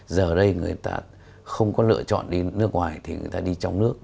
giờ đây người ta không có lựa chọn đi nước ngoài thì người ta đi trong nước